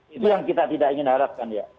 itu yang kita tidak ingin harapkan ya